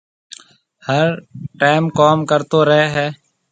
هر ٽيم ڪوم ڪرتو رهي هيَ۔